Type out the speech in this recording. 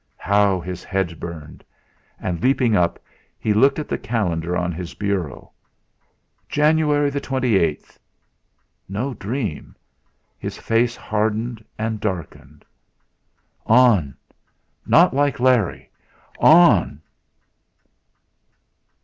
How his head burned! And leaping up, he looked at the calendar on his bureau. "January the 28th!" No dream! His face hardened and darkened. On! Not like Larry! On!